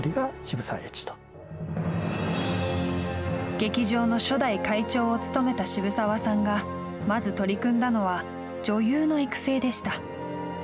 劇場の初代会長を務めた渋沢さんがまず取り組んだのは女優の育成でした。